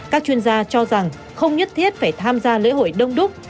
các chuyên gia cho rằng không nhất thiết phải tham gia lễ hội đông đúc